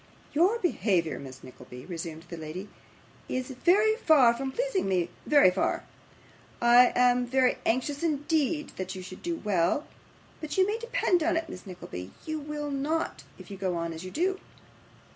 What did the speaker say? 'Your behaviour, Miss Nickleby,' resumed the lady, 'is very far from pleasing me very far. I am very anxious indeed that you should do well, but you may depend upon it, Miss Nickleby, you will not, if you go on as you do.